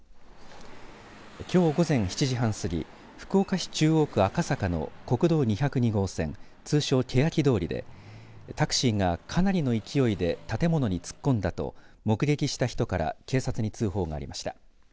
きょう午前７時半過ぎ福岡市中央区赤坂の国道２０２号線通称けやき通りでタクシーが、かなりの勢いで建物に突っ込んだと目撃した人から警察に通報がありました。